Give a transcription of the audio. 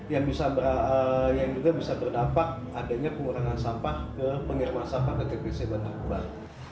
yang juga bisa terdapat adanya pengurangan sampah ke pengiriman sampah ke tpst bantar kuban